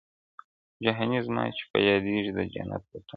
جهاني زما چي په یادیږي دا جنت وطن وو!.